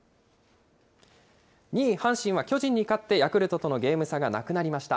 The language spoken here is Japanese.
２位阪神は巨人に勝って、ヤクルトとのゲーム差がなくなりました。